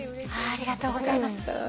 ありがとうございます。